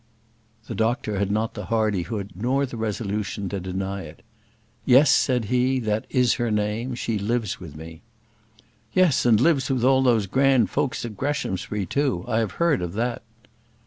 The doctor had not the hardihood nor the resolution to deny it. "Yes," said he, "that is her name; she lives with me." "Yes, and lives with all those grand folks at Greshamsbury too. I have heard of that."